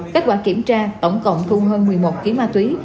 kết quả kiểm tra tổng cộng thu hơn một mươi một kg ma túy